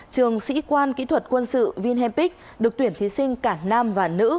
trường sĩ quan kỹ thuật quân sự vinepic được tuyển thí sinh cả nam và nữ